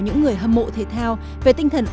những người hâm mộ thể thao về tinh thần